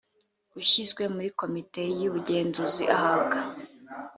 ushyizwe muri komite y ubugenzuzi ahabwa